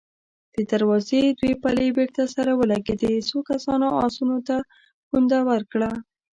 د دروازې دوې پلې بېرته سره ولګېدې، څو کسانو آسونو ته پونده ورکړه.